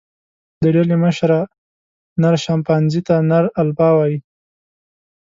د ډلې مشره، نر شامپانزي ته نر الفا وایي.